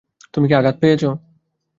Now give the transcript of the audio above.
তুমি কি আঘাত পেয়েছো?